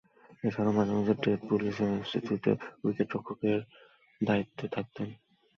এছাড়াও মাঝে-মধ্যে টেড পুলি’র অনুপস্থিতিতে উইকেট-রক্ষকের দায়িত্বে থাকতেন।